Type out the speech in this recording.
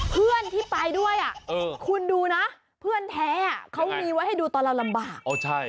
เพื่อนที่ไปด้วยคุณดูนะเพื่อนแท้เขามีไว้ให้ดูตอนเราลำบาก